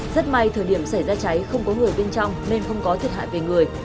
rất may thời điểm xảy ra cháy không có người bên trong nên không có thiệt hại về người